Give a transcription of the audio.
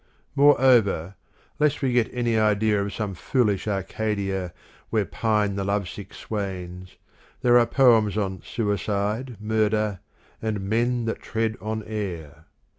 Moreover, lest we get any idea of some foolish Arcadia where pine the lovesick swains, there are poems on suicide, murder, and " men that tread on air."